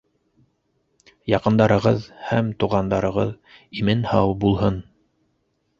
Яҡындарығыҙ һәм туғандарығыҙ имен-һау булһын!